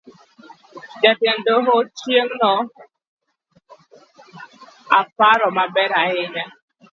Jatend doho, chieng' no aparo maber ahinya.